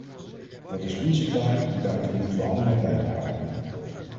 Dat is onze taak en daartoe moeten we allemaal bijdragen.